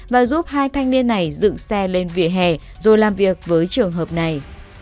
và giúp hai thanh niên này dựng xe lên vỉa hè rồi làm việc với trường hợp này